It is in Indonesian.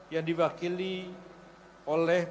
yang diwakili oleh